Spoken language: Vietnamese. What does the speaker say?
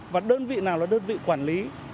và đơn vị nào là đơn vị quản lý